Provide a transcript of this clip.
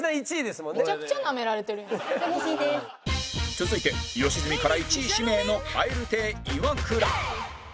続いて吉住から１位指名の蛙亭イワクラ